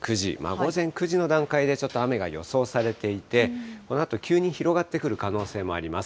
午前９時の段階で、ちょっと雨が予想されていて、このあと急に広がってくる可能性もあります。